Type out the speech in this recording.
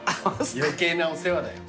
余計なお世話だよ。